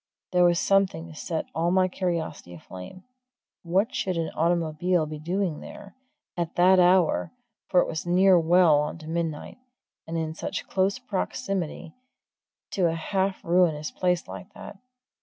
There was something to set all my curiosity aflame! what should an automobile be doing there, at that hour for it was now nearing well on to midnight and in such close proximity to a half ruinous place like that?